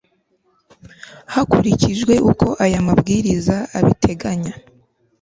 hakurikijwe uko aya mabwiriza abiteganya